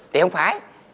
thì không phải